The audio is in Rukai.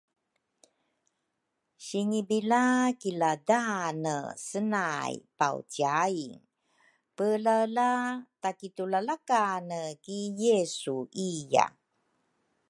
singibila ki ladaane senay pawciain pelaelaela takitulalakane ki Yesu iya